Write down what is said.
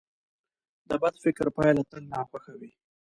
د بد فکر پایله تل ناخوښه وي.